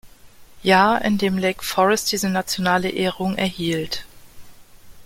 Jahr in dem Lake Forest diese nationale Ehrung erhielt.